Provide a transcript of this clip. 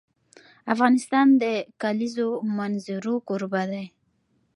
افغانستان د د کلیزو منظره کوربه دی.